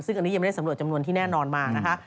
ซึ่งอันนี้ยังไม่ได้สำรวจจำนวนที่แน่นอนมานะคะ